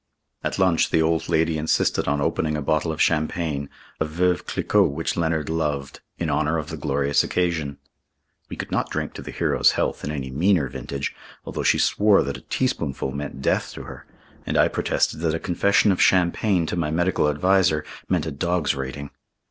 At lunch, the old lady insisted on opening a bottle of champagne, a Veuve Clicquot which Leonard loved, in honour of the glorious occasion. We could not drink to the hero's health in any meaner vintage, although she swore that a teaspoonful meant death to her, and I protested that a confession of champagne to my medical adviser meant a dog's rating.